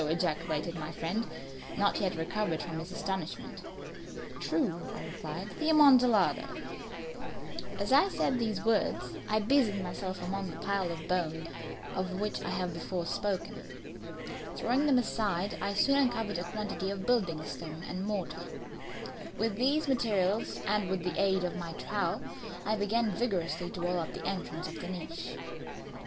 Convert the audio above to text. ejaculated my friend, not yet recovered from his astonishment. "True," I replied; "the Amontillado." As I said these words I busied myself among the pile of bones of which I have before spoken. Throwing them aside, I soon uncovered a quantity of building stone and mortar. With these materials and with the aid of my trowel, I began vigorously to wall up the entrance of the niche.